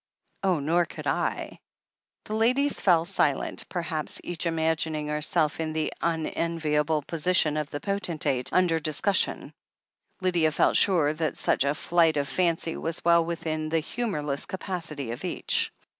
"Oh, nor could L" The ladies fell silent, perhaps each imagining herself in the unenviable position of the potentate imder dis cussion. Lydia felt sure that such a flight of fancy was well within the humourless capacity of each.